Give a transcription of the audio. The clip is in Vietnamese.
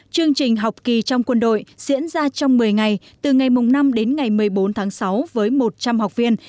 chương trình học kỳ trong quân đội diễn ra trong một mươi ngày từ ngày năm đến ngày một mươi bốn tháng sáu với một trăm linh học viên